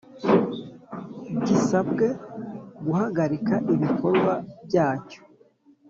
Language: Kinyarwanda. gisabwe guhagarika ibikorwa byacyo